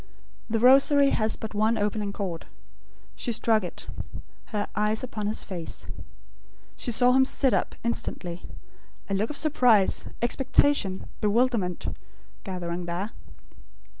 The Rosary has but one opening chord. She struck it; her eyes upon his face. She saw him sit up, instantly; a look of surprise, expectation, bewilderment, gathering there.